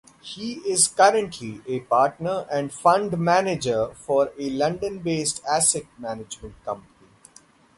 He is currently a partner and fund manager for a London-based asset management company.